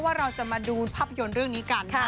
ว่าเราจะมาดูภาพยนตร์เรื่องนี้กัน